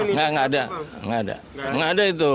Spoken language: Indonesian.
nggak ada nggak ada nggak ada itu